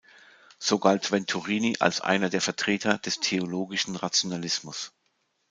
So galt Venturini als einer der Vertreter des theologischen Rationalismus.